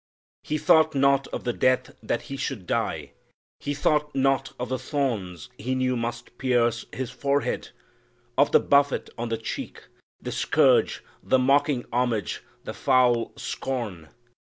"He thought not of the death that He should die He thought not of the thorns He knew must pierce His forehead of the buffet on the cheek The scourge, the mocking homage, the foul scorn!